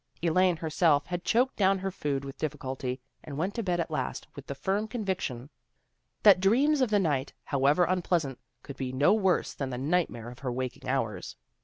Elaine, herself, had choked down her food with difficulty, and went to bed at last with the firm conviction that dreams of the night, how ever unpleasant, could be no worse than the nightmare of her waking hours.